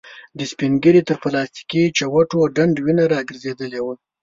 د سپين ږيري تر پلاستيکې چوټو ډنډ وينه را ګرځېدلې وه.